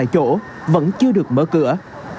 chỗ vẫn chưa được mở cửa